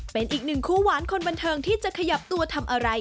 เป็นอีกหนึ่งคู่หวานคนบันเทิงที่จะขยับตัวทำอะไร